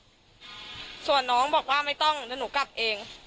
สุดท้ายตัดสินใจเดินทางไปร้องทุกข์การถูกกระทำชำระวจริงและตอนนี้ก็มีภาวะซึมเศร้าด้วยนะครับ